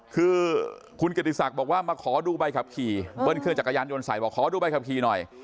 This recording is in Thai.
คือคุณเกียรติศักดิ์บอกว่ามาขอดูใบขับขี่เบิ้ลเครื่องจักรยานยนต์ใส่บอกขอดูใบขับขี่หน่อย